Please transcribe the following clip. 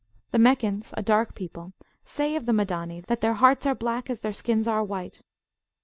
The Meccans, a dark people, say of the Madani, that their hearts are black as their skins are white.